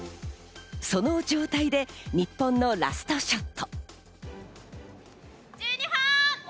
その状態で日本のラストショット。